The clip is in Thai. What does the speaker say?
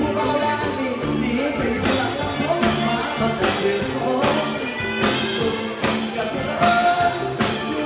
พูดว่าแล้วอันนี้ดีไปอยู่หลังแล้วพวกมันมาบันเกียรติภูมิ